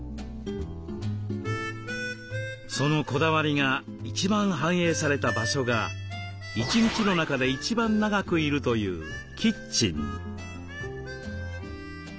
そのこだわりが一番反映された場所が一日の中で一番長くいるというキッチン。